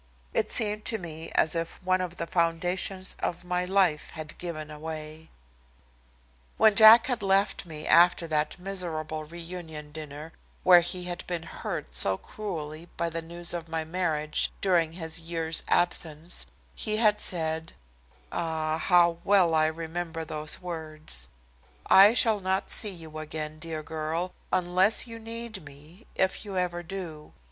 It seemed to me as if one of the foundations of my life had given away. When Jack had left me after that miserable reunion dinner where he had been hurt so cruelly by the news of my marriage during his year's absence, he had said ah, how well I remembered the words "I shall not see you again, dear girl, unless you need me, if you ever do.